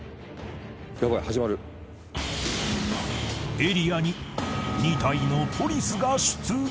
［エリアに２体のポリスが出現］